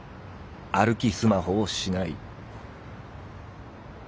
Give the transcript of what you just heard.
歩きスマホをしない」。